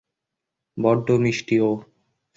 বড্ড মিষ্টি ও।